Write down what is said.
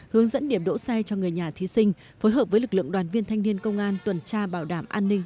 hướng dẫn điểm đỗ xe cho người nhà thí sinh phối hợp với lực lượng đoàn viên thanh niên công an tuần tra bảo đảm an ninh